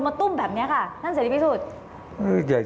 มันมาลุมมาตุ้มแบบนี้ค่ะท่านเสดีพิสุธิ์